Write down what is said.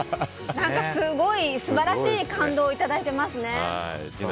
何かすごい、素晴らしい感動をいただいていますね。